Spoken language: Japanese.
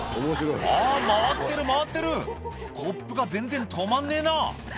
「あぁ回ってる回ってるコップが全然止まんねえな」